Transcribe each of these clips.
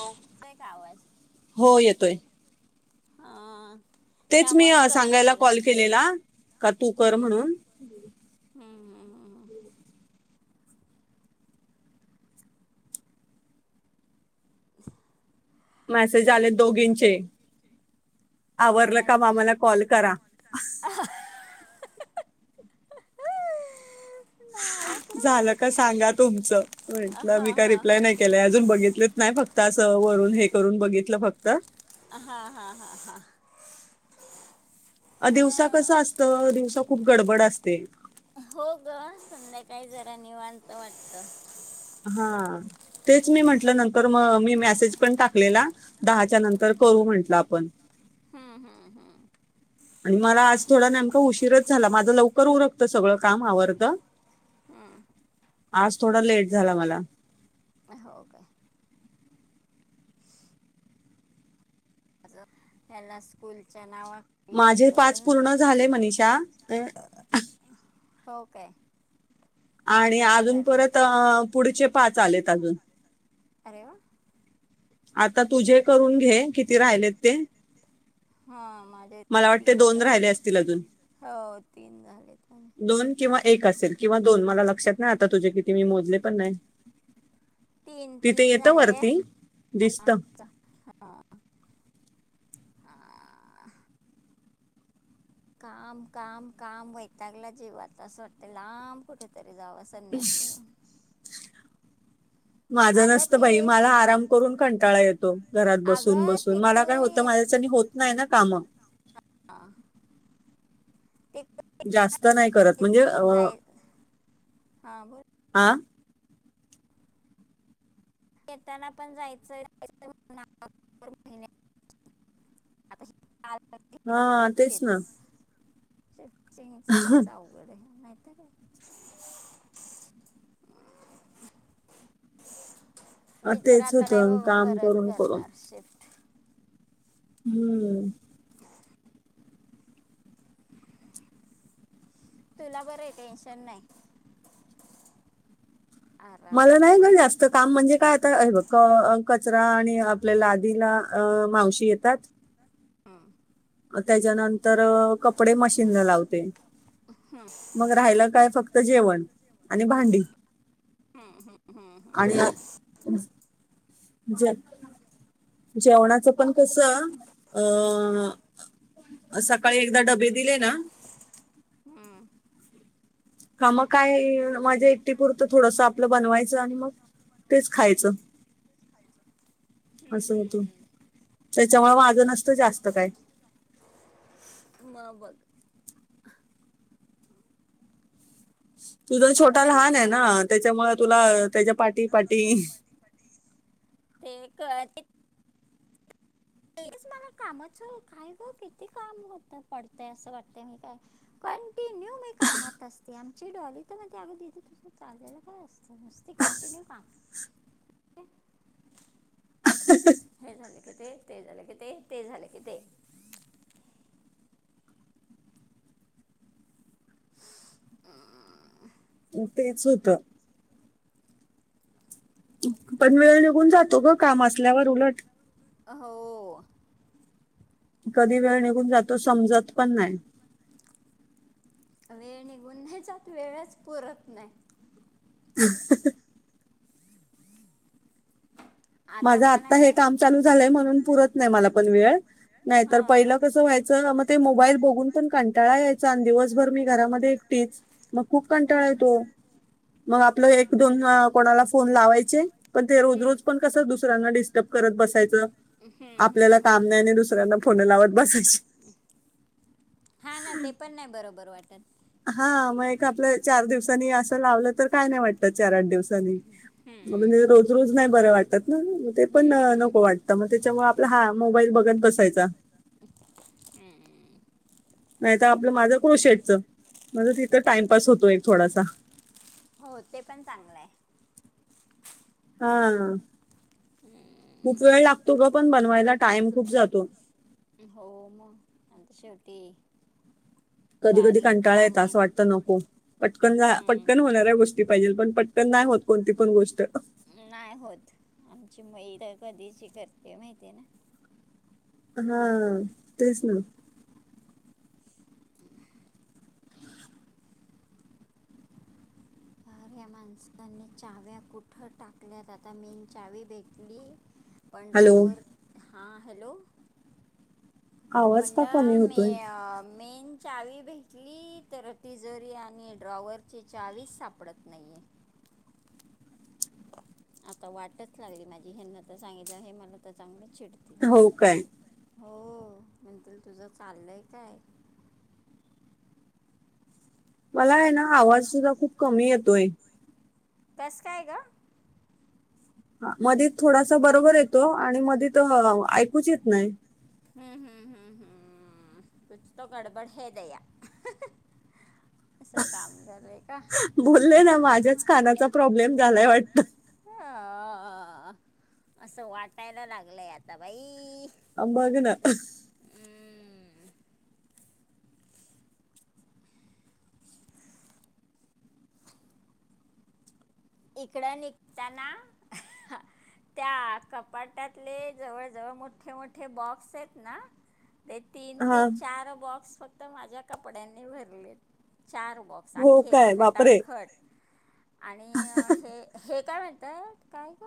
हो एक आवाज हो येतोय हा तेच मी त्यामुळेच कट सांगायला केला कॉल केलेला का तू कर हम्म म्हणून हम्म हम्मम् [unintelligible] मेसेज तर आले दोघींचे आवरलं कोणाच का मामला कॉल करा ना झालं का सांगा तुमचं हा म्हटलं हा मी काय हा हा रिप्लाय नाही केलंय अजून बघितलेत नाही फक्त असं वरून हे करून बघितलं फक्त हा हा हा हा अ दिवसा कसं असतं दिवसा खूप गडबड असते हो ग संध्याकाळी जरा निवांत वाटत हा तेच मी म्हटलं नंतर मग मी मेसेज पण टाकलेला दहाच्या नंतर करू म्हटलं आपण हम्म हम्म हम्म आणि मला आज थोडा नेमका उशीरच झाला माझं लवकर उरकत सगळं काम आवडत हम्म आज थोडा लेट झाला मला ओके एला स्कूल च नावा माझे पाच पूर्ण झाले मनषा अ हो काय आणि माझे नाही अजून झाले परत पुढचे पाच आलेत अजून अरेव आता तुझे करून घे किती राहिलेत ते, हा माझे मला वाटते तीन दोन राहिले असतील अजून हो तीन झालेत. माझे दोन किंवा एक असेल किंवा दोन मला लक्षात नाही आता तुझे किती मी मोजले पण नाही [inaudible] तिथे तीन येतं झाले वरती दिसतं. हा [unintelligible] काम काम काम वैतागलाय जीव आता असं वाटतंय लांब कुठेतरी जावा संन्यास घेऊन. माझं अगं नसतं ते बाई मला आराम करून कंटाळा येतो घरात बसून अगं बसून मला काय तिकडून होतं मा येत च्यानी होत नाही ना कामं? [inaudible] तिकडे जास्त नाही करत म्हणजे अ जाय हा बोल आ येताना पण जायचंय‌ [inaudible] [unintelligible] हा तेच ना [unintelligible] अवघड आहे [unintelligible] अ, मी तर तेच आता नाही होतं बाबा काम परत करून, करणार शिफ्ट. हम्म तुला बरंय, टेन्शन नाही आराम मला नाही करू ग जास्त काम म्हणजे काय आता हे बघ अ कचरा आणि आपल्या लादीला मावशी येतात. हम त्याच्यानंतर अ कपडे मशीनला लावते, हम्म, मग राह्यलं काय फक् त जेवण आणि भांडी, हम्म, हम्म, हम्म, आणि अ ज जेवणाचं पण कसं अ सकाळी एकदा डबे दिले ना, हम्म, ह मग काय माझ्या एकटी पुरतं थोडसं आपलं बनवाय च आणि मग तेच खायचं. असं हम्म, होतं. हम्म. त्याच्यामुळे माझं नसतं जास्त काय. [unintelligible] तुझं आ, छोटा लहान आहे जीवचा ना, त्याच्यामुळे तुला त्याच्या पा पाटी पाटी [unintelligible] [inaudible] मला कामाचं काय गं किती काम होतं पडतय असं वाटतंय म काय कंटिन्यू मी कामात असते आमची डॉली तर म्हणती अगं दीदी तुझं चाललेलं काय असतं नुसती का कंटिन्यू काम हे झालं कि ते ते झालं कि ते ते झालं कि ते [unintelligible] तेच होतं. पण वेळ निघून जातो ग काम असल्यावर उलट. हो कधी वेळ निघून जातो समजत पण नाही. वेळ निघून नाही जात वेळच पुरत नाही. [unintelligible] माझं आता हे काम चालू झालंय म्हणून पुरत नाही मला पण वेळ, नाही तर हा पहिलं कसं व्हायचं मग ते मोबाईल बघून पण कंटाळा यायचा आणि दिवसभर मी घरामध्ये एकटीच, मग खूप कंटाळा हम्म येतो. मग आपलं एक दोन अ कोणाला फोन लावायचे पण ते रोज हम्म रोज पण दुसरी डिस्टर्ब करत बसायच, हम्म आपल्याला हम्म हम्म काम नाही, आणि दुसऱ्यांना फोन लावत बसायची, हा ना ते पण नाही बरोबर वाटत, हा मग आपलं चार दिवसांनी असं लावलं तर काय नाही, वाटतं चार आठ दिवसांनी, हम्म म्हणजे रोज रोज नाही, बरं वाटतात ना ते पण हम्म नको वाटतं मग त्याच्यामुळे आपला हा, मोबाईल बघत बसायचा [unintelligible] नाहीतर आपलं माझं क्रोशेडचं म्हणज तिथं टाइमपास होतो एक थोडासा, हो ते पण चांगलं आहे. हा हम्म खूप वेळ लागतो ग, पण बनवाला टाईम खूप जातो. हो म शेवटी [unintelligible] कधी कधी बारीक कंटाळा काम येत, आहे असं वाटत नको पटकन हम्म पटकन होणाऱ्या गोष्टी, पाे पण पटकन नाही, होत कोणती पण गोष्ट, नाही होत आमची मै तर कधीच करते माहितीे ना, हा तेच ना, [unintelligible] ह या माणसाने चाव्या कुठं टाकल्यात आता मेन चावी भेटली, हॅलो पण ्रॉवर हां हॅलो, आवाज का कमी म्हणलं होतोय, मे मेन चावी भेटली तर तिजोरी, आणि ड्रॉवरची चावीच सापडत नाहीये, [unintelligible] आता वाटच लागली माझी, हाना तर सांगितलं हे मला तर चांगलं, हो काय, हो म्हणतील तुझं चाललंय काय, मला आहे ना आवाज सुद्धा खूप कमी येतोय, कस काय ग, ह मधात थोडासा बरोबर येतो, आणि मधात ऐकूच येत नाही. हम्म हम्म हम्म हम्म, कुछ तो गडबड ह हे दया, असं काम झालंय का बोलले ना माझ्याच कानाचा प्रॉब्लेम झालाय वाटत. अ असं वाटायला लागलंय आता बाई, बघ ना हम्म. इकड निघताना, त्या कपाटतले जवळ जवळ मोठे मोठे बॉक्स आहेत. ना, ते तीन ते हा चार बॉक्स फक्त माझ्या कपड्यांनी भरलेत, चार बॉक्स हो आखे काय खटा बापरे खट आणि, हे हे काय म्हणतात, काय ग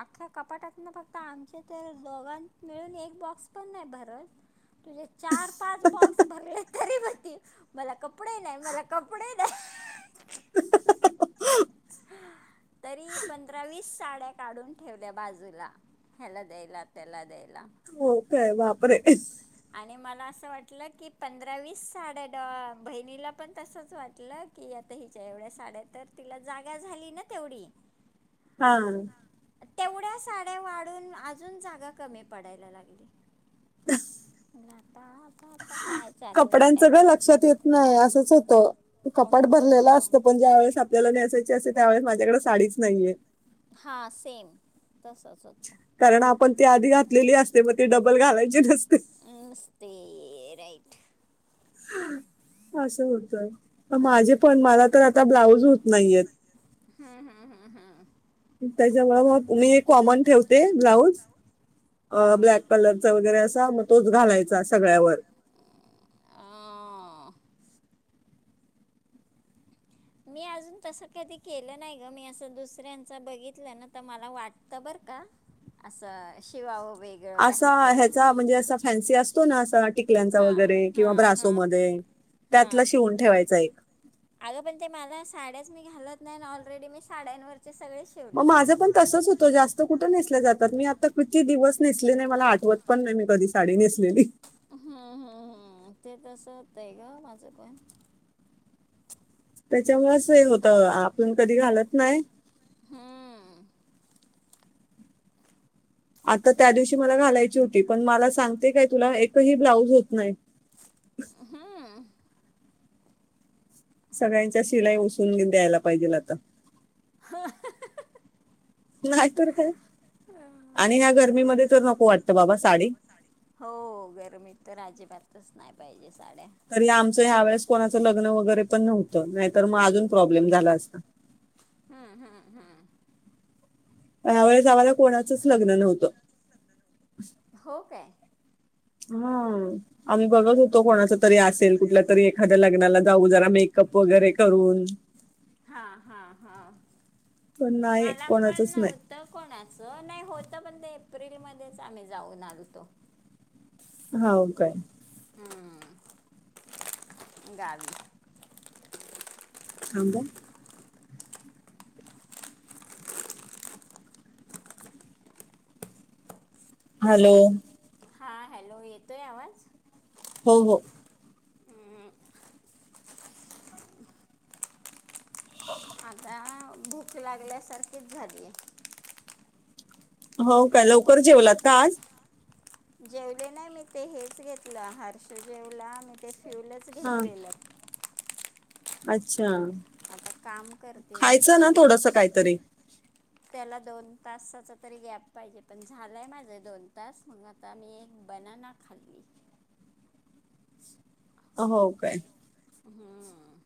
आख्या कपाटात ना फक्त आमच्या तर दोघां, मिळून एक बॉक्स पण नाही भरत, तुझे चार पाच बॉक्स भरले तरी बोलतील मला कपडे नाही मला कपडे, नाही तरी पंधरा वीस साड्या, काढून ठेवल्या बाजूला, याला द्यायला त्याला द्यायला, हो काय बापरे, आणि मला असं वाटलं, की पंधरा वीस साडे द बहिणीला पण तसंच वाटलं की, हिच्या एवढ्या साड्या तर तिला जागा झाली ना तेवढी, हा तेवढ्या साड्या वाढून अजून जागा कमी पडायला लागली. आता आता आता काय चाललंय काय कपड्यांचं का, लक्षात येत नाही असंच होतं. कपाट भरलेला असतं पण ज्या वेळेस आपल्याला नेसायची असते, त्यावेेळेस माझ्याकडे साडीच नाहीये, हा सेम तसच होत. पण ते आधी घातलेली असते, मग तेी बल घालायची नते, मस्त आहे राइट असं होतं माझे पण मला तर आता ब्लाऊज होत नाहीयेत. हम्म हम्म हम्म हम्म. त्याच्यामुळे मग मी कॉमन ठेवते ब्लाऊज हा. अ ब्लॅक कलरचा वगैरे असा मग तोच घालायचा सगळ्यावर. अ मी अजून तसं कधी केलं नाही ग मी असं दुसऱ्यांच बघितलं ना तर मला वाटतं बर का असं शिवाव असा ह्याचा म्हणजे असा फॅन्सी असतो ना असा टिकल्यांचा हां वगैरे किंवा हां हां ब्रासोमध्ये त्यातला हां शिवून ठेवायचा एक. अगं पण ते मला साड्याच मी घालत नाही ऑलरेडी मी साड्यांवर मग माझं पण तसचं होतं जास्त कुठं नेसल्या जात आता किती दिवस नेसले नाही मला आठवत पण नाही मी कधी साडी नेसलेली. हम्म हम्म हम्म ते तसं होतं ग माझं पण त्याच्यामुळे असं हे होतं आपण कधी घालत नाही हम्म. आता त्या दिवशी मला घालायची होती पण मला सांगते काय तुला एकही ब्लाऊज होत नाही. हम्म सगळ्यांच्या शिलाई उसून द्यायला पाहिजेल आता. हा. नाही तर काय आणि ह्या गर्मीमध्ये तर नको वाटत बाबा साडी. हो गर्मी तर आ तच नाही पाहिजे. तरी आमचं ह्या वेळेस कोणाचं लग्न वगैरे पण नव्हतं नाही तर मग अजून प्रॉब्लेम झाला असता. हम्म हम्म हम्म यावेळे जावायला कोणाचच लग्न नव्हतं. हो काय हां. आम्ही बघत होतो कोणाच तरी असेल कुठल्या तरी एखाद्या लग्नाला जाऊ जरा मेकअप वगैरे करून हा हा हा. पण नाही मला पण कोणाचंच नाही. नव्हतं कोणाचं नाही होत पण ते एप्रिल मध्येच आम्ही जाऊन आलतो. हाव काय? हम्म गावी थांबा हॅलो हां हॅलो येतो आहे आवाज? हो हो. हम्म आता भूक लागल्यासारखीच झाली आहे. हो काय लवकर जेवलात का आज? जेवले नाही मी ते हेच घेतलं हर्ष जेवला मी ते फ्यूलच हां. अच्छा मग आता काम करते तर खायचं ते ना थोडसा कायतरी त्याला दोन तासाचा तरी गॅप पाहिजे पण झालंय माझं दोन तास मग आता मी एक बन ना ना खाल्ली हो काय? हम्म.